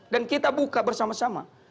dan kita buka bersama sama